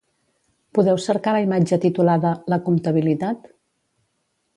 Podeu cercar la imatge titulada "La comptabilitat"?